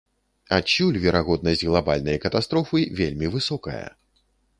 Адсюль верагоднасць глабальнай катастрофы вельмі высокая.